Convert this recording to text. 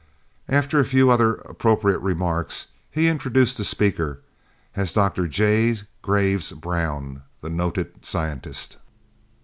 After a few other appropriate remarks, he introduced the speaker as Dr. J. Graves Brown, the noted scientist.